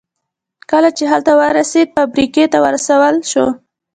کله چې هلته ورسېد فابریکې ته ورسول شو